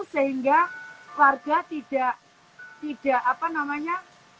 sehingga keluarga tidak tidak apa namanya